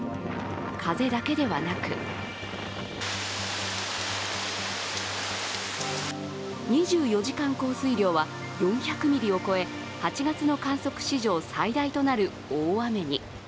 風だけではなく２４時間降水量は４００ミリを超え８月の観測史上最大となる大雨に。